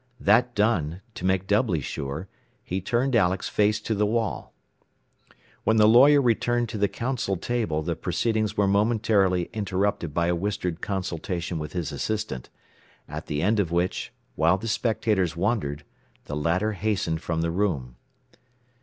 That done, to make doubly sure, he turned Alex face to the wall. When the lawyer returned to the counsel table the proceedings were momentarily interrupted by a whispered consultation with his assistant, at the end of which, while the spectators wondered, the latter hastened from the room.